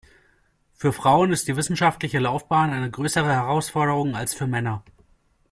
Für Frauen ist die wissenschaftliche Laufbahn eine größere Herausforderung als für Männer.